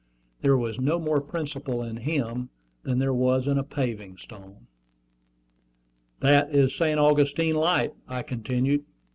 There was no more principle in him than there was in a paving stone. "That is St. Augustine Light," I continued.